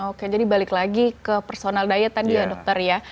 oke jadi balik lagi ke personal diet tadi ya dokter ya